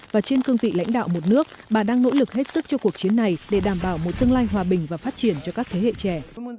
và trên cương vị lãnh đạo một nước bà đang nỗ lực hết sức cho cuộc chiến này để đảm bảo một tương lai hòa bình và phát triển cho các thế hệ trẻ